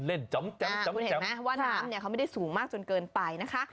เห็นไหมว่าน้ำเขาไม่ได้สูงมากจนเกินไปนะคะ